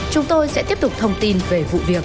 chúng tôi sẽ tiếp tục thông tin về vụ việc